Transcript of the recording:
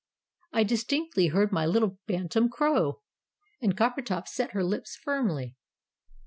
"I distinctly heard my little bantam crow!" and Coppertop set her lips firmly.